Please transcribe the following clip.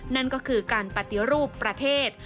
นั่นก็คือการปฏิรูปประเทศ